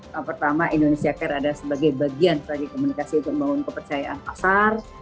yang pertama indonesiacare ada sebagai bagian komunikasi untuk membangun kepercayaan pasar